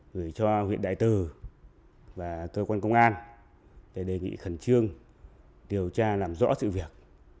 hội nhà báo tỉnh và các cơ quan liên quan để chỉ đạo làm rõ vụ việc